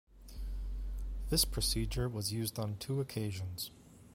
This procedure was used on two occasions.